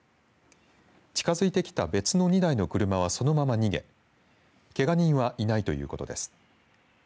近づいてきた別の２台の車は、そのまま逃げけが人はいないということです。